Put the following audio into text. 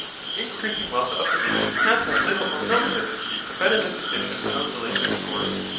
The increasing wealth of the nation has had little or no tendency to better the condition of the labouring poor.